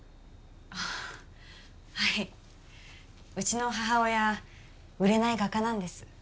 ああはいうちの母親売れない画家なんです